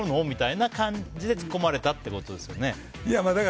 みたいな感じでツッコまれたということですよね。